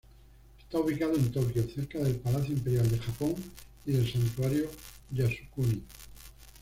Está ubicado en Tokio, cerca del Palacio Imperial de Japón y del Santuario Yasukuni.